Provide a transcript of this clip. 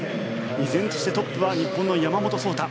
依然としてトップは日本の山本草太。